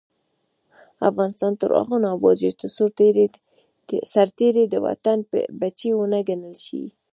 افغانستان تر هغو نه ابادیږي، ترڅو سرتیری د وطن بچی ونه ګڼل شي.